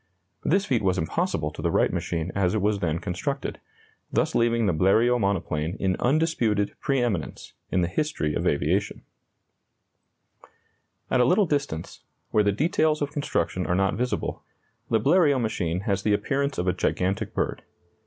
This feat was impossible to the Wright machine as it was then constructed, thus leaving the Bleriot monoplane in undisputed pre eminence in the history of aviation. [Illustration: A Bleriot monoplane, "No. XI," in flight.] At a little distance, where the details of construction are not visible, the Bleriot machine has the appearance of a gigantic bird.